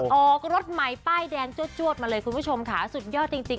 ออกรถใหม่ป้ายแดงจวดมาเลยคุณผู้ชมค่ะสุดยอดจริง